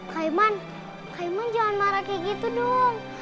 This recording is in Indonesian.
kayman kayman jangan marah kayak gitu dong